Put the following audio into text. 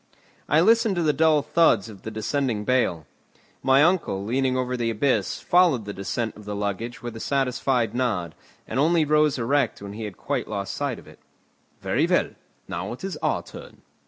I listened to the dull thuds of the descending bale. My uncle, leaning over the abyss, followed the descent of the luggage with a satisfied nod, and only rose erect when he had quite lost sight of it. "Very well, now it is our turn."